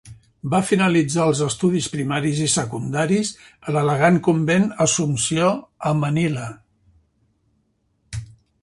Va finalitzar els estudis primaris i secundaris a l'elegant convent Assumpció a Manila.